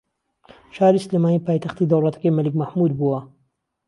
شاری سلێمانی پایتەختی دەوڵەتەکەی مەلیک مەحموود بووە